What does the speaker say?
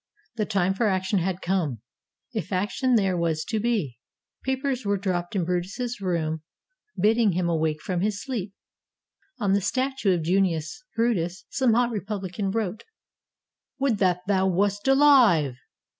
The time for action had come, if action there was to be. Papers were dropped in Brutus's room, bidding him awake from his sleep. On the statue of Junius Brutus some hot repubhcan wrote, "Would that thou wast alive!"